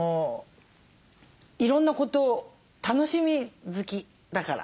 いろんなこと楽しみ好きだから。